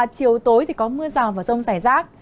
chiều tối có mưa rào và rông rải rác